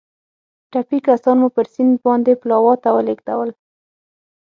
ټپي کسان مو پر سیند باندې پلاوا ته ولېږدول.